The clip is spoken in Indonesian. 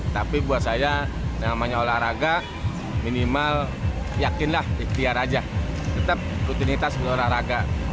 tapi buat saya yang namanya olahraga minimal yakinlah ikhtiar aja tetap rutinitas berolahraga